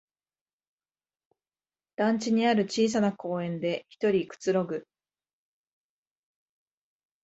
団地にある小さな公園でひとりくつろぐ